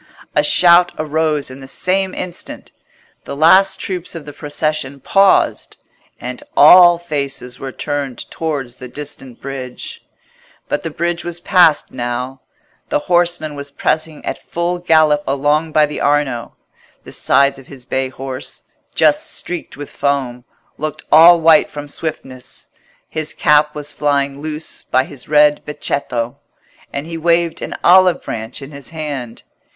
A shout arose in the same instant; the last troops of the procession paused, and all faces were turned towards the distant bridge. But the bridge was passed now: the horseman was pressing at full gallop along by the Arno; the sides of his bay horse, just streaked with foam, looked all white from swiftness; his cap was flying loose by his red becchetto, and he waved an olive branch in his hand.